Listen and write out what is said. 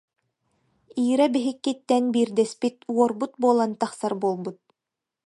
Ира биһиккиттэн биирдэспит уорбут буолан тахсар буолбут